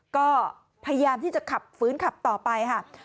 ก็พยายามที่จะขับฟื้นขับต่อไปค่ะ